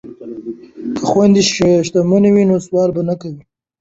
که خویندې شتمنې وي نو سوال به نه کوي.